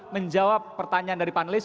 menjawab pertanyaan dari panelis